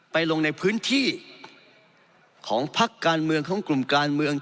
ลงในพื้นที่ของพักการเมืองของกลุ่มการเมือง